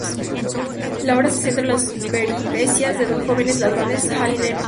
La obra se centra en las peripecias de dos jóvenes ladrones: Hal y Dennis.